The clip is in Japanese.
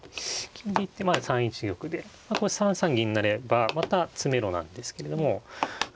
金で行ってまあ３一玉でこれ３三銀成ればまた詰めろなんですけれども。